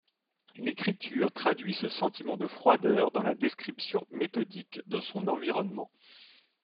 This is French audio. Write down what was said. L'écriture traduit ce sentiment de froideur dans la description méthodique de son environnement.